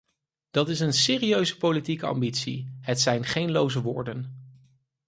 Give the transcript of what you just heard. Dat is een serieuze politieke ambitie, het zijn geen loze woorden.